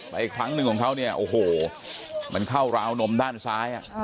อีกครั้งหนึ่งของเขาเนี่ยโอ้โหมันเข้าราวนมด้านซ้าย